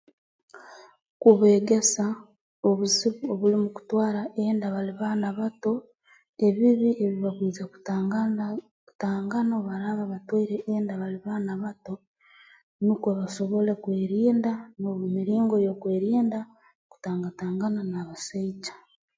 Kubeegesa obuzibu obuli mu kutwara enda bali baana bato ebibi ebi bakwija kutangaana kutangana obu baraaba batwaire enda bali baana bato nukwo basobole kwerinda n'omu miringo y'okwerinda kutangatangana n'abasaija